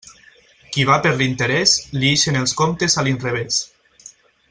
Qui va per l'interés, li ixen els comptes a l'inrevés.